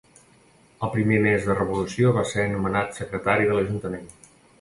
El primer mes de revolució va ser nomenat secretari de l'ajuntament.